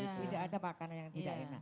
tidak ada makanan yang tidak enak